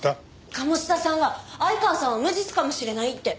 鴨志田さんは相川さんは無実かもしれないって。